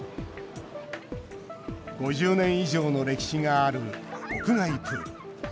５０年以上の歴史がある屋外プール。